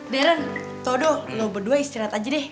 darren toto lo berdua istirahat aja deh